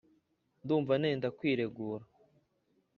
Ndumva nenda kwiregura